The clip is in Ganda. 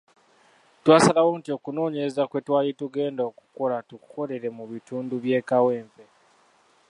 Twasalawo nti okunoonyereza kwe twali tugenda okukola tukukolere mu bitundu by’e Kawempe.